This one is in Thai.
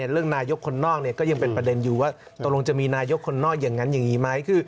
เรื่องนายกคนนอกก็ยังเป็นประเด็นอยู่ว่าตกลงจะมีนายกคนนอกอย่างนั้นอย่างนี้ไหม